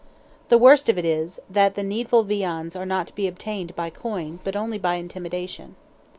The worst of it is, that the needful viands are not to be obtained by coin, but only by intimidation.